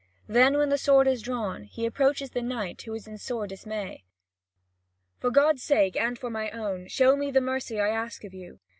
Then, with sword drawn, he approaches the knight who cries in sore dismay: "For God's sake and for my own, show me the mercy I ask of you."